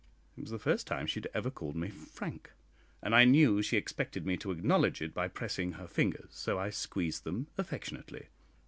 It was the first time she had ever called me Frank, and I knew she expected me to acknowledge it by pressing her fingers, so I squeezed them affectionately.